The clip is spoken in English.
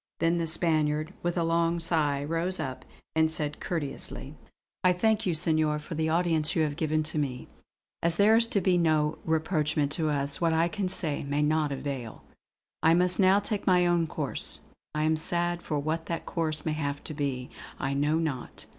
Then the Spaniard, with a long sigh, rose up and said courteously: "I thank you Senor, for the audience which you have given to me. As there is to be no rapprochement to us, what I can say may not avail. I must now take my own course. I am sad; for what that course may have to be, I know not.